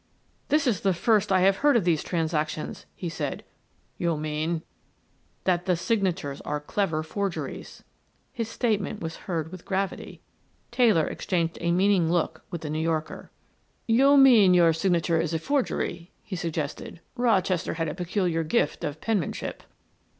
"This is the first I have heard of these transactions," he said. "You mean " "That the signatures are clever forgeries." His statement was heard with gravity. Taylor exchanged a meaning look with the New Yorker. "You mean your signature is a forgery," he suggested. "Rochester had a peculiar gift of penmanship."